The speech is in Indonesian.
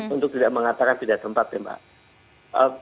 untuk tidak mengatakan tidak tempat ya mbak